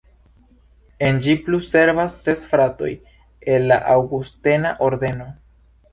En ĝi plu servas ses fratoj el la aŭgustena ordeno.